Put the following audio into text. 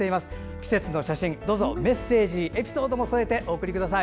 季節の写真、どうぞメッセージ、エピソードも添えてお送りください。